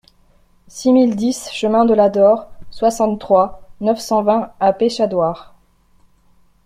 six mille dix chemin de la Dore, soixante-trois, neuf cent vingt à Peschadoires